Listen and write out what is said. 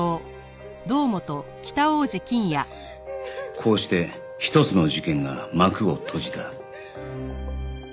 こうして一つの事件が幕を閉じた